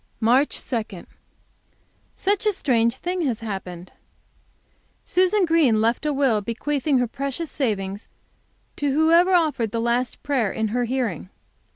March 2. Such a strange thing has happened! Susan Green left a will, bequeathing her precious savings to whoever offered the last prayer in her hearing!